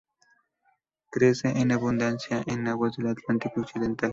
Crece en abundancia en aguas del Atlántico occidental.